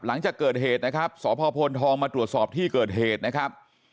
หลังจากสตพพนทองมาตรวจสอบที่เกิดเหตุนะครับ